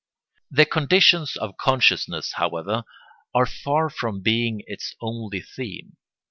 ] The conditions of consciousness, however, are far from being its only theme.